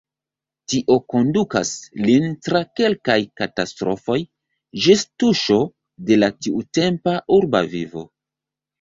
Tio kondukas lin tra kelkaj katastrofoj, ĝis tuŝo de la tiutempa urba vivo.